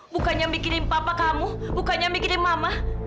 bukannya mikirin papa kamu bukannya mikirin mama